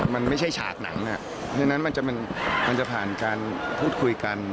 มันไม่ใช่ฉากหนังฉะนั้นมันจะผ่านการพูดคุยกัน